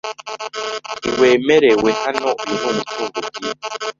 Ntiwemerewe hano .Uyu ni umutungo bwite.